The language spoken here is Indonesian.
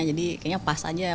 jadi kayaknya pas aja